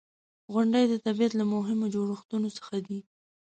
• غونډۍ د طبیعت له مهمو جوړښتونو څخه دي.